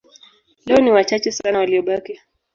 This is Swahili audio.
Leo ni wachache sana waliobaki.